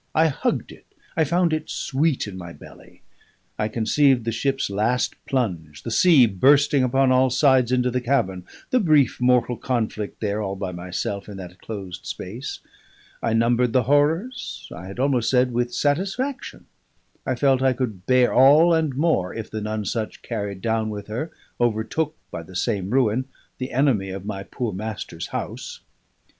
I hugged it, I found it sweet in my belly. I conceived the ship's last plunge, the sea bursting upon all sides into the cabin, the brief mortal conflict there, all by myself, in that closed place; I numbered the horrors, I had almost said with satisfaction; I felt I could bear all and more, if the Nonesuch carried down with her, overtook by the same ruin, the enemy of my poor master's house.